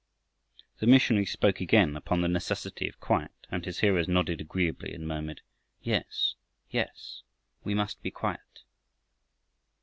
The missionary spoke again upon the necessity of quiet, and his hearers nodded agreeably and murmured, "Yes, yes, we must be quiet."